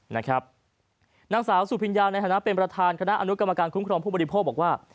นางสาวสุพิญญาในฐานะเป็นประธานคณะอนุกรรมการคุ้มครองผู้บริโภคบอกว่า